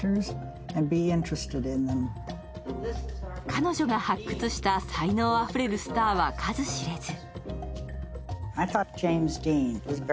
彼女が発掘した才能あふれるスターは数知れず。